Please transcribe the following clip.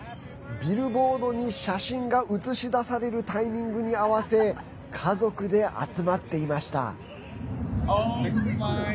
ビルボードに写真が映し出されるタイミングに合わせ家族で集まっていました。